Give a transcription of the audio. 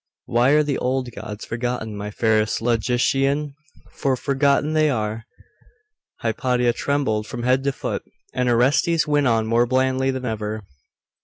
Why are the old gods forgotten; my fairest logician? for forgotten they are.' Hypatia trembled from head to foot, and Orestes went on more blandly than ever.